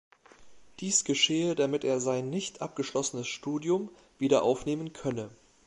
Dies geschehe, damit er sein nicht abgeschlossenes Studium wieder aufnehmen könne.